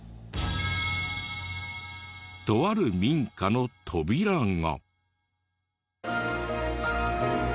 とある民家の扉が。